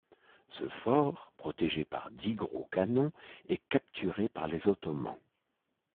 Ce fort, protégé par dix gros canons, est capturé par les Ottomans.